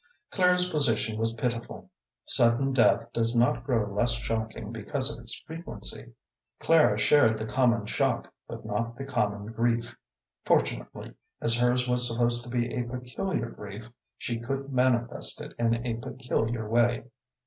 Clara's position was pitiful. Sudden death does not grow less shocking because of its frequency. Clara shared the common shock, but not the common grief. Fortunately, as hers was supposed to be a peculiar grief, she could manifest it in a peculiar way.